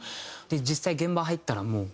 実際現場入ったらもう。